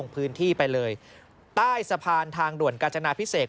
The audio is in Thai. ไปเลยใต้สะพานทางด่วนกาจนาพิเศษ